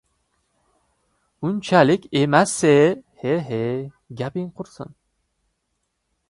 — Unchalik emas-ye, he, gaping qursin.